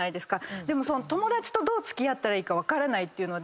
でも友達とどう付き合ったらいいか分からないっていうので。